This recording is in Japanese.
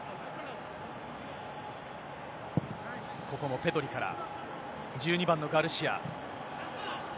ここもペドリから、１２番のガルシア。